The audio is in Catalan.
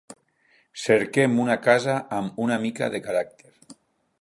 Cerquem una casa amb una mica de caràcter.